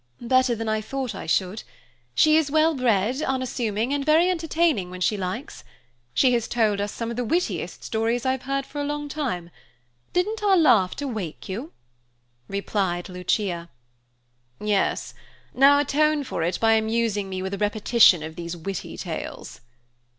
"Better than I thought I should. She is well bred, unassuming, and very entertaining when she likes. She has told us some of the wittiest stories I've heard for a long time. Didn't our laughter wake you?" replied Lucia. "Yes. Now atone for it by amusing me with a repetition of these witty tales."